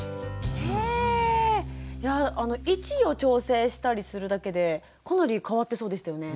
位置を調整したりするだけでかなり変わってそうでしたよね。